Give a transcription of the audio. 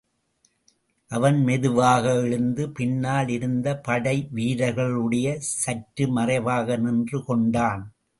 அவன் மெதுவாக எழுந்து, பின்னால் இருந்த படை வீரர்களிடையே சற்று மறைவாக நின்று கொண்டான்.